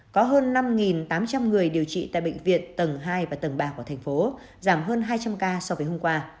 có hơn năm tám trăm linh người điều trị tại bệnh viện tầng hai và tầng ba của thành phố giảm hơn hai trăm linh ca so với hôm qua